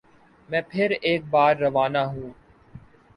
میں پھر ایک بار روانہ ہوں